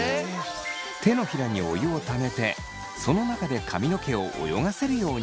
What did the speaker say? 手のひらにお湯をためてその中で髪の毛を泳がせるようにすすぎます。